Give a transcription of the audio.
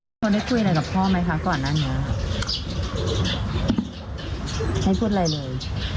มีคนได้คุยอะไรกับพ่อไหมคะก่อนนะน้องน้องไม่พูดอะไรเลย